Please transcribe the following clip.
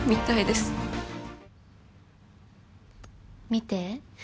見て。